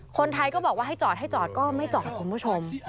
คนไทยก็บอกว่าให้จอดให้จอดก็ไม่จอดคุณผู้ชม